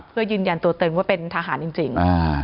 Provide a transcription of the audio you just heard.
เพื่อยืนยันตัวตึงว่าเป็นทหารจริง